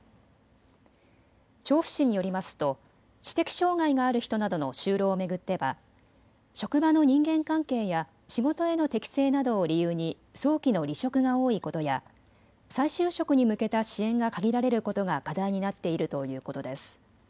調布市によりますと知的障害がある人などの就労を巡っては職場の人間関係や仕事への適性などを理由に早期の離職が多いことや再就職に向けた支援が限られることが課題になっているということです。